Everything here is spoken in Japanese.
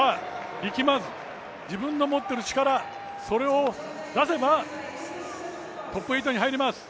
力まず、自分の持っている力それを出せばトップ８に入ります。